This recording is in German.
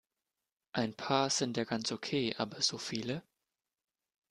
Ein paar sind ja ganz okay, aber so viele?